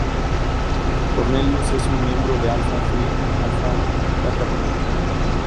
Cornelius es un miembro de Alpha Phi Alpha fraternidad.